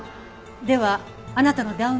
ではあなたのダウン